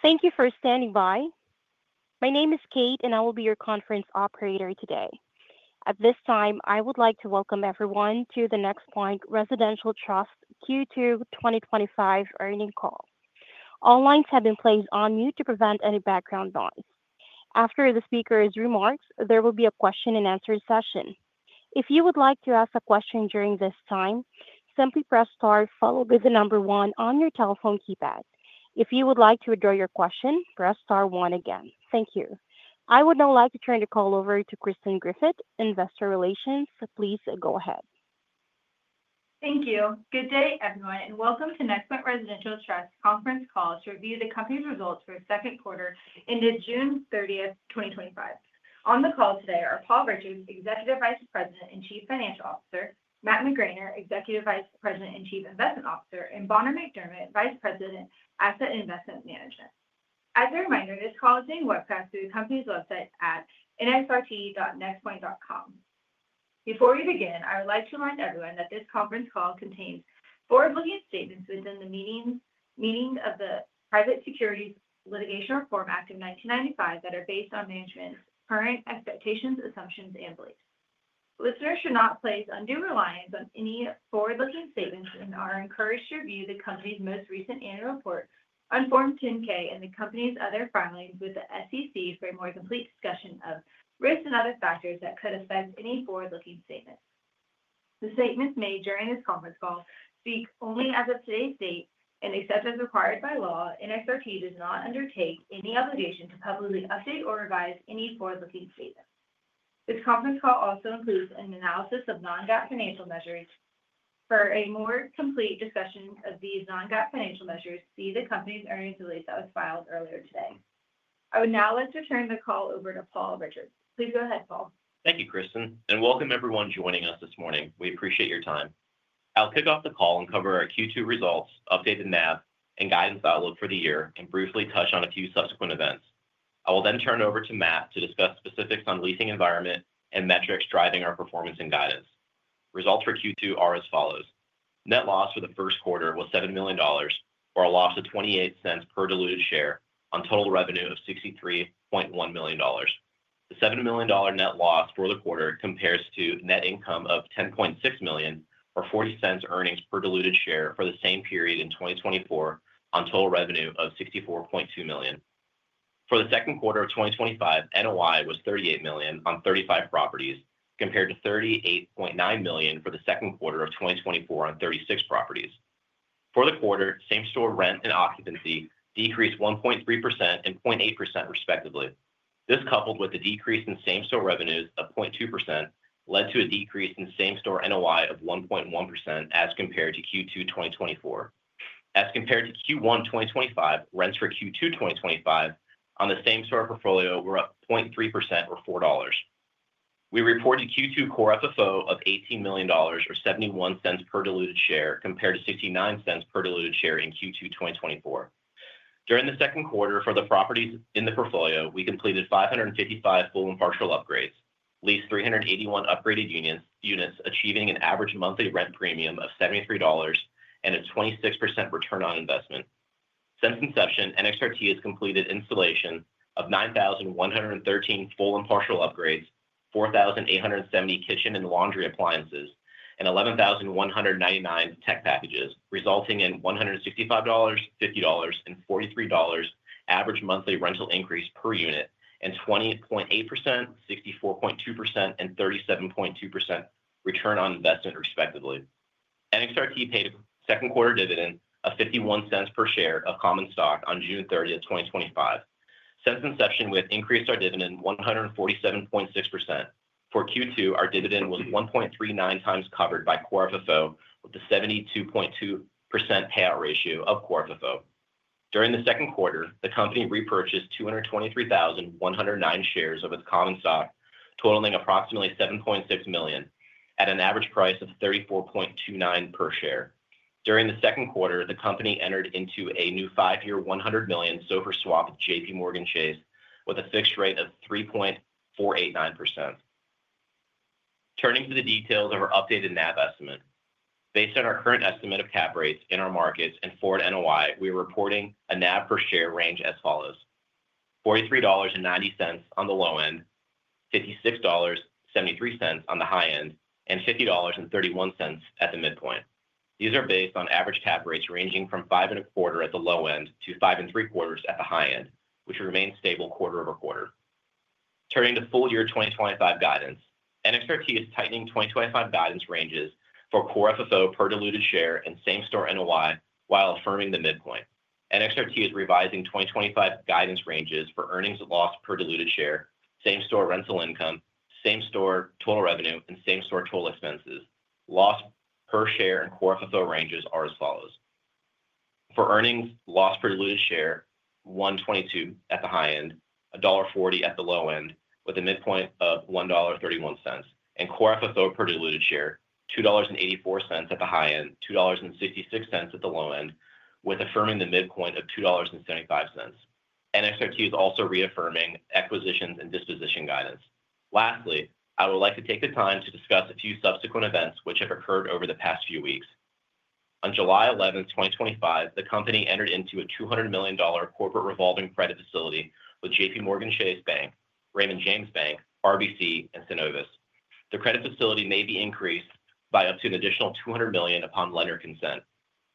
Thank you for standing by. My name is Kate, and I will be your conference operator today. At this time, I would like to welcome everyone to the NexPoint Residential Trust Q2 2025 earnings call. All lines have been placed on mute to prevent any background noise. After the speaker's remarks, there will be a question and answer session. If you would like to ask a question during this time, simply press star followed by the number one on your telephone keypad. If you would like to withdraw your question, press star one again. Thank you. I would now like to turn the call over to Kristen Griffith, Investor Relations. Please go ahead. Thank you. Good day, everyone, and welcome to NexPoint Residential Trust's conference call to review the company's results for the second quarter ended June 30th 2025. On the call today are Paul Richards, Executive Vice President and Chief Financial Officer; Matt McGraner, Executive Vice President and Chief Investment Officer; and Bonner McDermett, Vice President, Asset Investment Management. As a reminder, this call is being broadcast through the company's website at nsrt.nexpoint.com. Before we begin, I would like to remind everyone that this conference call contains forward-looking statements within the meanings of the Private Securities Litigation Reform Act of 1995 that are based on management's current expectations, assumptions, and beliefs. Listeners should not place undue reliance on any forward-looking statements and are encouraged to review the company's most recent annual report on Form 10-K and the company's other filings with the SEC for a more complete discussion of risks and other factors that could affect any forward-looking statement. The statements made during this conference call speak only as of today's date except as required by law. NexPoint Residential Trust does not undertake any obligation to publicly update or revise any forward-looking statement. This conference call also includes an analysis of non-GAAP financial measures. For a more complete discussion of these non-GAAP financial measures, see the company's earnings release that was filed earlier today. I would now like to turn the call over to Paul Richards. Please go ahead, Paul. Thank you, Kristen, and welcome everyone joining us this morning. We appreciate your time. I'll kick off the call and cover our Q2 results, updated NAV, and guidance outlook for the year, and briefly touch on a few subsequent events. I will then turn over to Matt to discuss specifics on the leasing environment and metrics driving our performance and guidance. Results for Q2 are as follows: net loss for the first quarter was $7 million, or a loss of $0.28 per diluted share on total revenue of $63.1 million. The $7 million net loss for the quarter compares to net income of $10.6 million, or $0.40 earnings per diluted share for the same period in 2024 on total revenue of $64.2 million. For the second quarter of 2025, NOI was $38 million on 35 properties, compared to $38.9 million for the second quarter of 2024 on 36 properties. For the quarter, same-store rent and occupancy decreased 1.3% and 0.8% respectively. This, coupled with the decrease in same-store revenues of 0.2%, led to a decrease in same-store NOI of 1.1% as compared to Q2 2024. As compared to Q1 2025, rents for Q2 2025 on the same-store portfolio were up 0.3% or $4. We reported a Q2 core FFO of $18 million, or $0.71 per diluted share, compared to $0.69 per diluted share in Q2 2024. During the second quarter, for the properties in the portfolio, we completed 555 full and partial upgrades, leased 381 upgraded units, achieving an average monthly rent premium of $73 and a 26% return on investment. Since inception, NXRT has completed installation of 9,113 full and partial upgrades, 4,870 kitchen and laundry appliances, and 11,199 tech packages, resulting in $165, $50, and $43 average monthly rental increase per unit and 20.8%, 64.2%, and 37.2% return on investment respectively. NXRT paid a second quarter dividend of $0.51 per share of common stock on June 30, 2025. Since inception, we increased our dividend 147.6%. For Q2, our dividend was 1.39 times covered by core FFO with a 72.2% payout ratio of core FFO. During the second quarter, the company repurchased 223,109 shares of its common stock, totaling approximately $7.6 million at an average price of $34.29 per share. During the second quarter, the company entered into a new five-year $100 million SOFR swap with JPMorgan Chase with a fixed rate of 3.489%. Turning to the details of our updated NAV estimate. Based on our current estimate of cap rates in our markets and forward NOI, we are reporting a NAV per share range as follows: $43.90 on the low end, $56.73 on the high end, and $50.31 at the midpoint. These are based on average cap rates ranging from 5.25% at the low end to 5.75% at the high end, which remain stable quarter over quarter. Turning to full-year 2025 guidance, NXRT is tightening 2025 guidance ranges for core FFO per diluted share and same-store NOI while affirming the midpoint. NXRT is revising 2025 guidance ranges for earnings loss per diluted share, same-store rental income, same-store total revenue, and same-store total expenses. Loss per share and core FFO ranges are as follows: for earnings loss per diluted share, $1.22 at the high end, $1.40 at the low end, with a midpoint of $1.31, and core FFO per diluted share, $2.84 at the high end, $2.66 at the low end, with affirming the midpoint of $2.75. NXRT is also reaffirming acquisitions and dispositions guidance. Lastly, I would like to take the time to discuss a few subsequent events which have occurred over the past few weeks. On July 11, 2025, the company entered into a $200 million corporate revolving credit facility with JPMorgan Chase Bank, Raymond James Bank, RBC, and Synovus. The credit facility may be increased by up to an additional $200 million upon lender consent.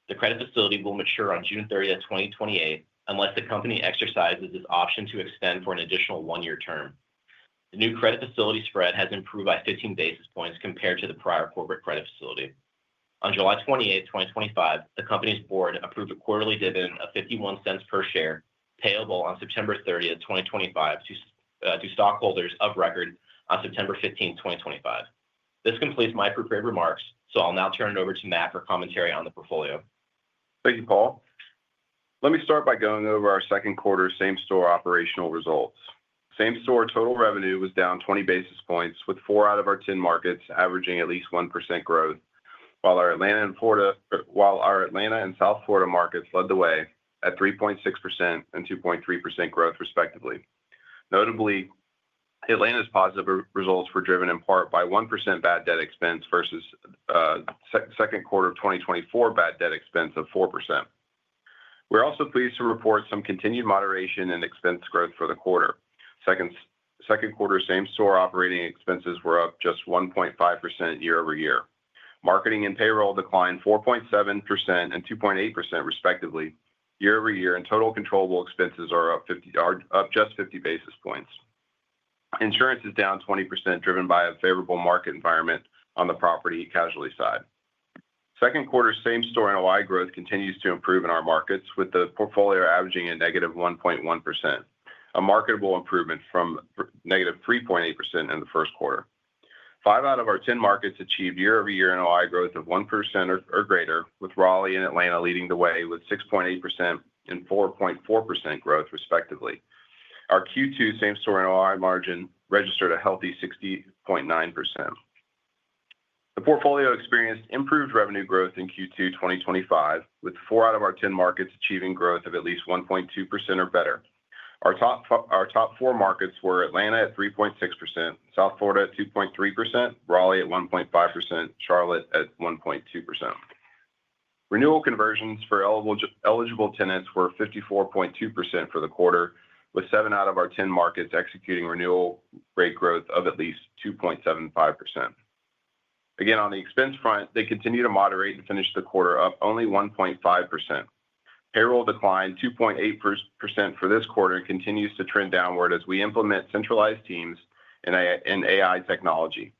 The credit facility will mature on June 30th 2028, unless the company exercises its option to extend for an additional one-year term. The new credit facility spread has improved by 15 basis points compared to the prior corporate credit facility. On July 28, 2025, the company's board approved a quarterly dividend of $0.51 per share, payable on September 30, 2025, to stockholders of record on September 15, 2025. This completes my prepared remarks, so I'll now turn it over to Matt for commentary on the portfolio. Thank you, Paul. Let me start by going over our second quarter same-store operational results. Same-store total revenue was down 20 basis points, with four out of our 10 markets averaging at least 1 percent growth, while our Atlanta and South Florida markets led the way at 3.6 percent and 2.3 percent growth, respectively. Notably, Atlanta's positive results were driven in part by 1 percent bad debt expense versus the second quarter of 2024 bad debt expense of 4 percent. We're also pleased to report some continued moderation in expense growth for the quarter. Second quarter same-store operating expenses were up just 1.5 percent year over year. Marketing and payroll declined 4.7 percent and 2.8 percent, respectively, year over year, and total controllable expenses are up just 50 basis points. Insurance is down 20 percent, driven by a favorable market environment on the property casualty side. Second quarter same-store NOI growth continues to improve in our markets, with the portfolio averaging a negative 1.1 percent, a marketable improvement from negative 3.8 percent in the first quarter. Five out of our 10 markets achieved year over year NOI growth of 1 percent or greater, with Raleigh and Atlanta leading the way with 6.8 percent and 4.4 percent growth, respectively. Our Q2 same-store NOI margin registered a healthy 60.9%. The portfolio experienced improved revenue growth in Q2 2025, with four out of our 10 markets achieving growth of at least 1.2 percent or better. Our top four markets were Atlanta at 3.6 percent, South Florida at 2.3, Raleigh at 1.5%, and Charlotte at 1.2 percent. Renewal conversions for eligible tenants were 54.2 percent for the quarter, with seven out of our 10 markets executing renewal rate growth of at least 2.75 percent. Again, on the expense front, they continue to moderate and finish the quarter up only 1.5 percent. Payroll declined 2.8 percent for this quarter and continues to trend downward as we implement centralized teams and AI technology.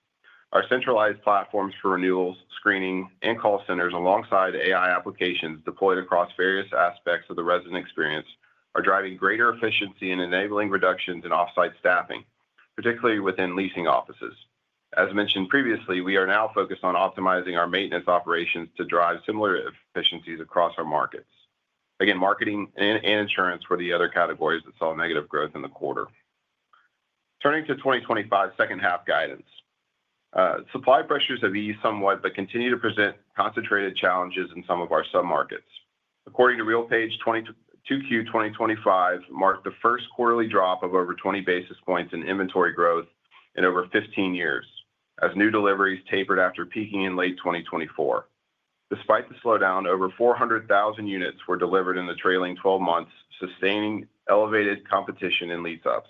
Our centralized platforms for renewals, screening, and call centers, alongside AI applications deployed across various aspects of the resident experience, are driving greater efficiency and enabling reductions in offsite staffing, particularly within leasing offices. As mentioned previously, we are now focused on optimizing our maintenance operations to drive similar efficiencies across our markets. Again, marketing and insurance were the other categories that saw negative growth in the quarter. Turning to 2025 second half guidance, supply pressures have eased somewhat but continue to present concentrated challenges in some of our submarkets. According to RealPage, Q2 2025 marked the first quarterly drop of over 20 basis points in inventory growth in over 15 years, as new deliveries tapered after peaking in late 2024. Despite the slowdown, over 400,000 units were delivered in the trailing 12 months, sustaining elevated competition in lease-ups.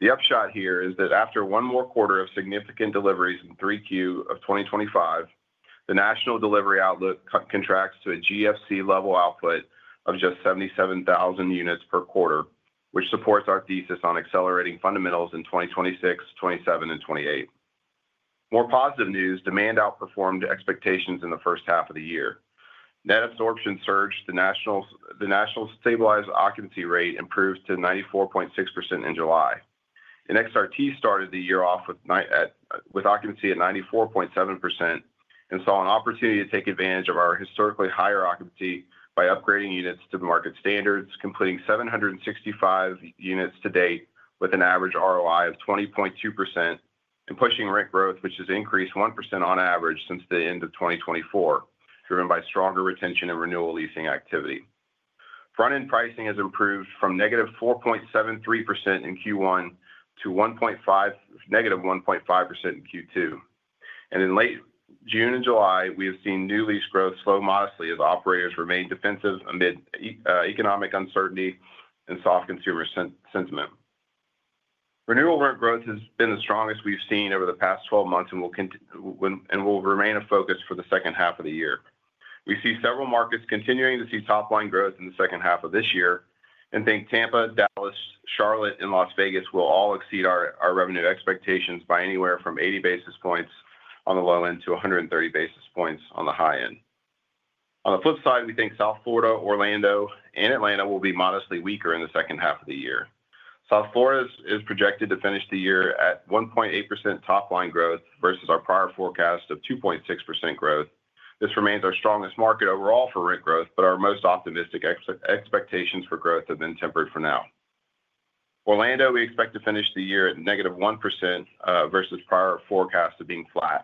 The upshot here is that after one more quarter of significant deliveries in Q3 of 2025, the national delivery outlook contracts to a GFC level output of just 77,000 units per quarter, which supports our thesis on accelerating fundamentals in 2026, 2027, and 2028. More positive news, demand outperformed expectations in the first half of the year. Net absorption surged, the national stabilized occupancy rate improved to 94.6 percent in July. NXRT started the year off with occupancy at 94.7 percent and saw an opportunity to take advantage of our historically higher occupancy by upgrading units to the market standards, completing 765 units to date with an average ROI of 20.2 percent and pushing rent growth, which has increased 1 percent on average since the end of 2024, driven by stronger retention and renewal leasing activity. Front-end pricing has improved from negative 4.73 percent in Q1 to negative 1.5 percent in Q2. In late June and July, we have seen new lease growth slow modestly as operators remain defensive amid economic uncertainty and soft consumer sentiment. Renewal rent growth has been the strongest we've seen over the past 12 months and will remain a focus for the second half of the year. We see several markets continuing to see top-line growth in the second half of this year and think Tampa, Dallas, Charlotte, and Las Vegas will all exceed our revenue expectations by anywhere from 80 basis points on the low end to 130 basis points on the high end. On the flip side, we think South Florida, Orlando, and Atlanta will be modestly weaker in the second half of the year. South Florida is projected to finish the year at 1.8 percent top-line growth versus our prior forecast of 2.6 percent growth. This remains our strongest market overall for rent growth, but our most optimistic expectations for growth have been tempered for now. Orlando, we expect to finish the year at negative one percent versus prior forecast of being flat.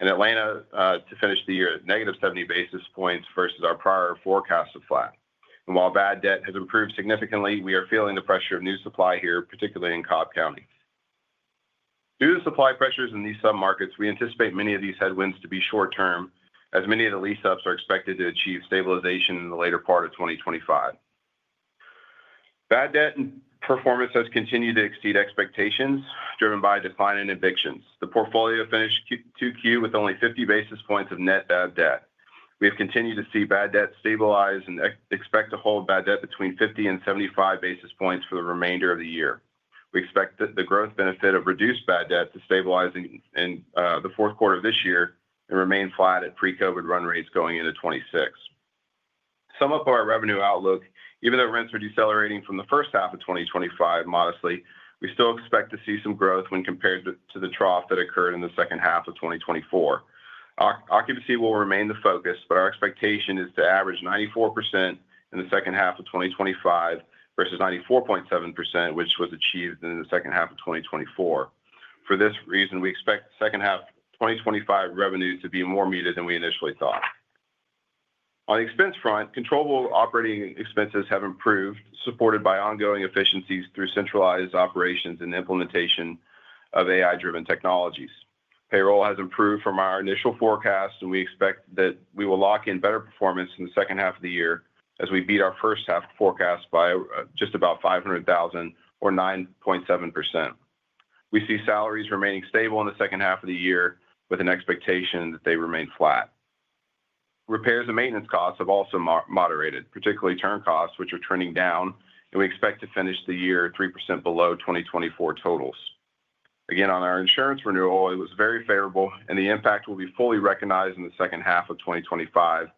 Atlanta to finish the year at negative 70 basis points versus our prior forecast of flat. While bad debt has improved significantly, we are feeling the pressure of new supply here, particularly in Cobb County. Due to the supply pressures in these submarkets, we anticipate many of these headwinds to be short-term, as many of the lease-ups are expected to achieve stabilization in the later part of 2025. Bad debt and performance has continued to exceed expectations, driven by decline in evictions. The portfolio finished Q2 with only 50 basis points of net bad debt. We have continued to see bad debt stabilize and expect to hold bad debt between 50 and 75 basis points for the remainder of the year. We expect the growth benefit of reduced bad debt to stabilize in the fourth quarter of this year and remain flat at pre-COVID run rates going into 2026. To sum up our revenue outlook, even though rents are decelerating from the first half of 2025 modestly, we still expect to see some growth when compared to the trough that occurred in the second half of 2024. Occupancy will remain the focus, but our expectation is to average 94 percent in the second half of 2025 versus 94.7 percent, which was achieved in the second half of 2024. For this reason, we expect the second half of 2025 revenue to be more muted than we initially thought. On the expense front, controllable operating expenses have improved, supported by ongoing efficiencies through centralized operations and the implementation of AI-driven technologies. Payroll has improved from our initial forecast, and we expect that we will lock in better performance in the second half of the year as we beat our first half forecast by just about $500,000 or 9.7 percent. We see salaries remaining stable in the second half of the year with an expectation that they remain flat. Repairs and maintenance costs have also moderated, particularly turn costs, which are trending down, and we expect to finish the year 3% below 2024 totals. Again, on our insurance renewal, it was very favorable, and the impact will be fully recognized in the second half of 2025 to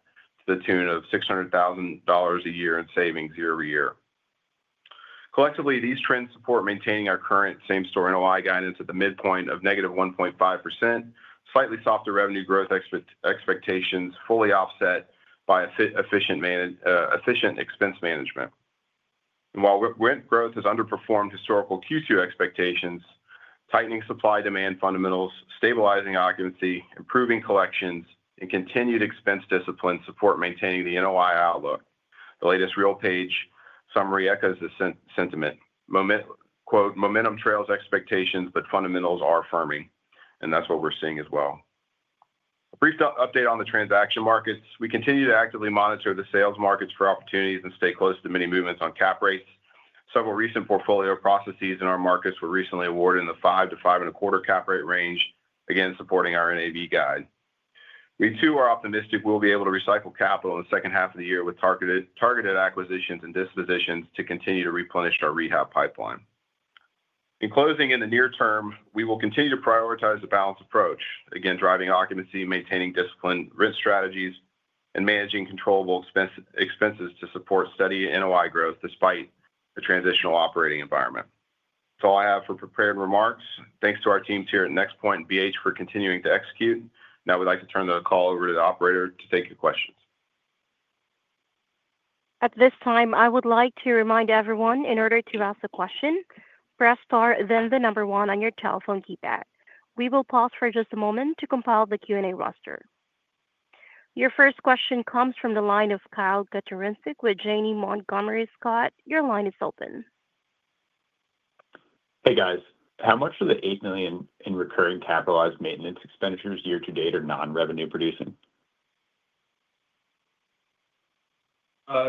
the tune of $600,000 a year in savings year over year. Collectively, these trends support maintaining our current same-store NOI guidance at the midpoint of negative 1.5 percent, slightly softer revenue growth expectations fully offset by efficient expense management. While rent growth has underperformed historical Q2 expectations, tightening supply-demand fundamentals, stabilizing occupancy, improving collections, and continued expense discipline support maintaining the NOI outlook. The latest RealPage summary echoes this sentiment: "Momentum trails expectations, but fundamentals are affirming," and that's what we're seeing as well. A brief update on the transaction markets. We continue to actively monitor the sales markets for opportunities and stay close to many movements on cap rates. Several recent portfolio processes in our markets were recently awarded in the 5%-5.25% cap rate range, again supporting our NAV guide. We too are optimistic we'll be able to recycle capital in the second half of the year with targeted acquisitions and dispositions to continue to replenish our rehab pipeline. In closing, in the near term, we will continue to prioritize the balanced approach, again driving occupancy, maintaining discipline, risk strategies, and managing controllable expenses to support steady NOI growth despite a transitional operating environment. That's all I have for prepared remarks. Thanks to our teams here at NexPoint and BH for continuing to execute. Now we'd like to turn the call over to the operator to take your questions. At this time, I would like to remind everyone, in order to ask a question, press star then the number one on your telephone keypad. We will pause for just a moment to compile the Q&A roster. Your first question comes from the line of Kyle Katorincek with Janney Montgomery Scott. Your line is open. Hey guys, how much of the $8 million in recurring capitalized maintenance expenditures year to date are non-revenue-producing?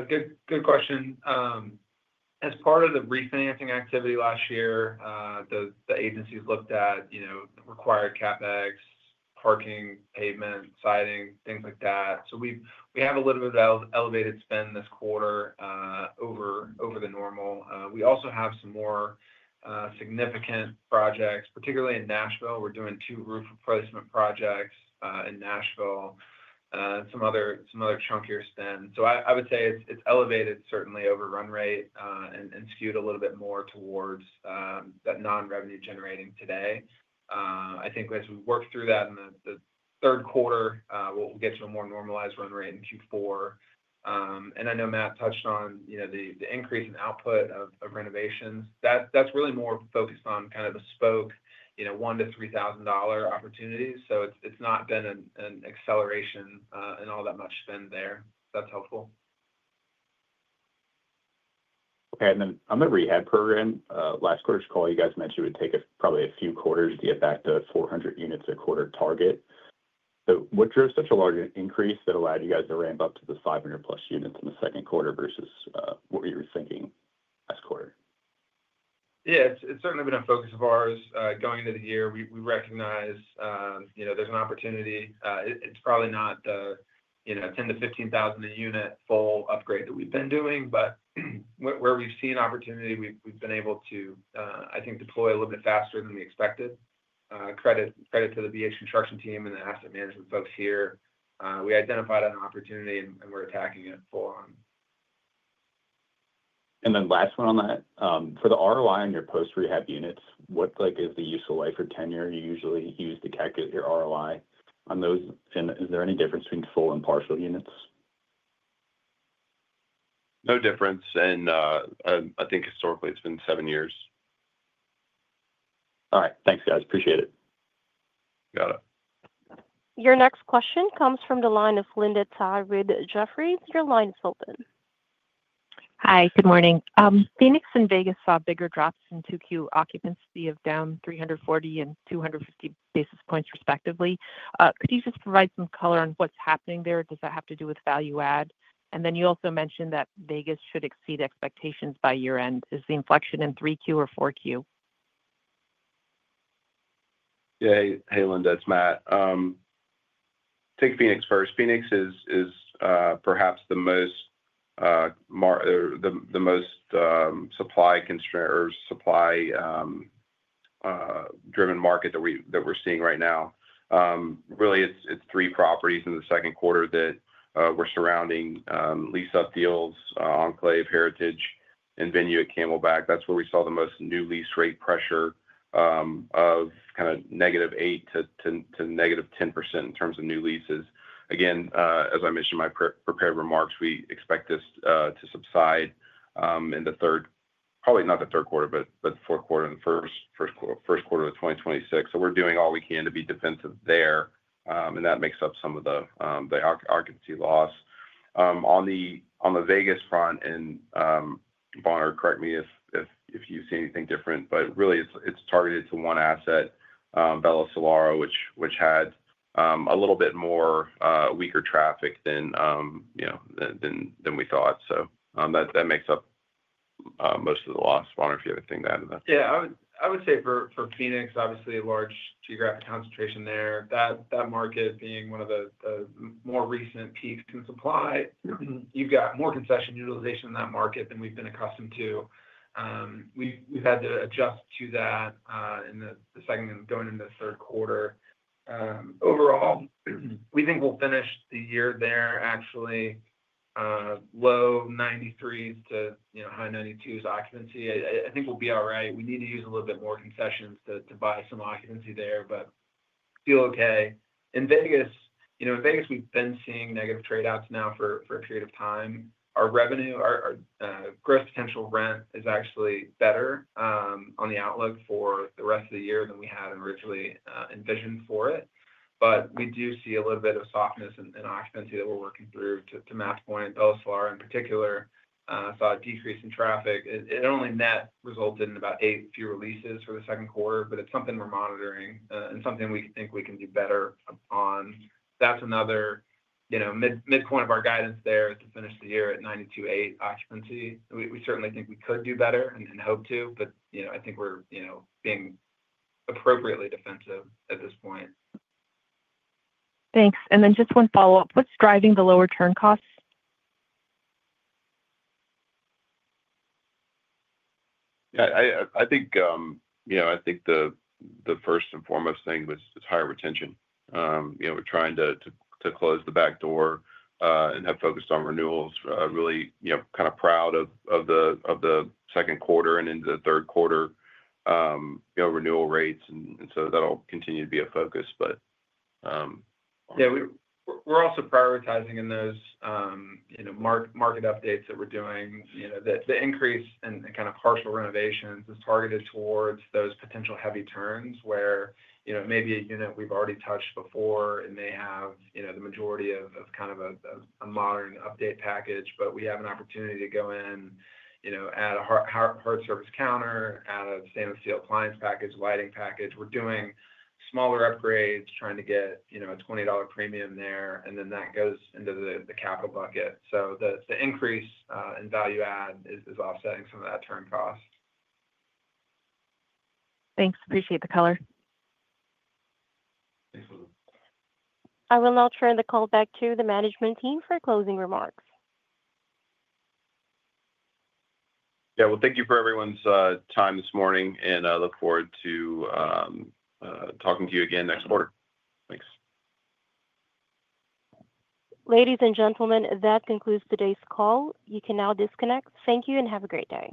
Good question. As part of the refinancing activity last year, the agencies looked at required CapEx, parking, pavement, siding, things like that. We have a little bit of elevated spend this quarter over the normal. We also have some more significant projects, particularly in Nashville. We're doing two roof replacement projects in Nashville and some other chunkier spend. I would say it's elevated certainly over run rate and skewed a little bit more towards that non-revenue generating today. I think as we work through that in the third quarter, we'll get to a more normalized run rate in Q4. I know Matt touched on the increase in output of renovations. That's really more focused on kind of the spoke, $1,000-$3,000 opportunities. It's not been an acceleration in all that much spend there. That's helpful. Okay, on the rehab program, last quarter's call, you guys mentioned it would take us probably a few quarters to get back to a 400 units a quarter target. What drove such a large increase that allowed you guys to ramp up to the 500 plus units in the second quarter versus what you were thinking last quarter? Yeah, it's certainly been a focus of ours going into the year. We recognize there's an opportunity. It's probably not the $10,000-$15,000 a unit full upgrade that we've been doing, but where we've seen opportunity, we've been able to, I think, deploy a little bit faster than we expected. Credit to the BH construction team and the asset management folks here. We identified an opportunity and we're attacking it full on. For the ROI on your post-rehab units, what is the useful life or tenure you usually use to calculate your ROI on those? Is there any difference between full and partial units? No difference. I think historically it's been seven years. All right, thanks, guys. Appreciate it. You got it. Your next question comes from the line of Linda Tarrid at Jefferies. Your line is open. Hi, good morning. Phoenix and Las Vegas saw bigger drops in Q2 occupancy of down 340 and 250 basis points respectively. Could you just provide some color on what's happening there? Does that have to do with value-add? You also mentioned that Las Vegas should exceed expectations by year end. Is the inflection in Q3 or Q4? Yeah, hey Linda, it's Matt. Take Phoenix first. Phoenix is perhaps the most supply-driven market that we're seeing right now. Really, it's three properties in the second quarter that were surrounding lease-up deals, Enclave, Heritage, and Venue at Camelback. That's where we saw the most new lease rate pressure of kind of negative 8 percent to negative percent in terms of new leases. Again, as I mentioned in my prepared remarks, we expect this to subside, probably not the third quarter, but the fourth quarter and the first quarter of 2026. We're doing all we can to be defensive there, and that makes up some of the occupancy loss. On the Vegas front, and Bonner, correct me if you see anything different, but really it's targeted to one asset, Bella Solara, which had a little bit more weaker traffic than we thought. That makes up most of the loss. I don't know if you have anything to add to that. Yeah, I would say for Phoenix, obviously a large geographic concentration there. That market being one of the more recent peaks in supply, you've got more concession utilization in that market than we've been accustomed to. We've had to adjust to that in the second and going into the third quarter. Overall, we think we'll finish the year there actually low 93% to high 92% occupancy. I think we'll be all right. We need to use a little bit more concessions to buy some occupancy there, but feel okay. In Las Vegas, we've been seeing negative trade-offs now for a period of time. Our revenue, our gross potential rent is actually better on the outlook for the rest of the year than we had originally envisioned for it. We do see a little bit of softness in occupancy that we're working through to Matt's point. Bella Solara in particular saw a decrease in traffic. It only net resulted in about eight fewer leases for the second quarter, but it's something we're monitoring and something we think we can do better on. That's another midpoint of our guidance there to finish the year at 92.8% occupancy. We certainly think we could do better and hope to, but I think we're being appropriately defensive at this point. Thanks. Just one follow-up. What's driving the lower turn costs? Yeah, I think the first and foremost thing was just higher retention. We're trying to close the back door and have focused on renewals. Really, kind of proud of the second quarter and into the third quarter, renewal rates. That'll continue to be a focus. Yeah, we're also prioritizing in those market updates that we're doing. The increase in kind of partial renovations is targeted towards those potential heavy turns where maybe a unit we've already touched before may have the majority of kind of a modern update package, but we have an opportunity to go in, add a hard surface counter, add a stainless steel appliance package, lighting package. We're doing smaller upgrades, trying to get a $20 premium there, and then that goes into the capital bucket. The increase in value-add is offsetting some of that turn cost. Thanks. Appreciate the color. I will now turn the call back to the management team for closing remarks. Thank you for everyone's time this morning, and I look forward to talking to you again next quarter. Thanks. Ladies and gentlemen, that concludes today's call. You can now disconnect. Thank you and have a great day.